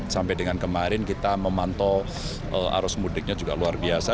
sampai dengan kemarin kita memantau arus mudiknya juga luar biasa